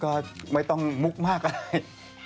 ก็ไม่ต้องมุกมากอะไร